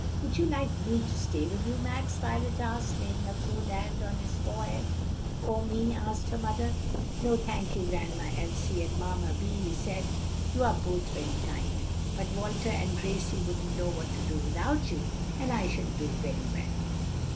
"Would you like me to stay with you, Max?" Violet asked, laying her cool hand on his forehead. "Or me?" asked her mother. "No, thank you, Grandma Elsie and Mamma Vi," he said. "You are both very kind, but Walter and Gracie wouldn't know what to do without you; and I shall do very well."